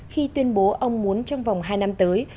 khi tuyên bố ông muốn trong vòng hai năm tới